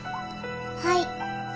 はい。